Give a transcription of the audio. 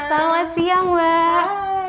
selamat siang mbak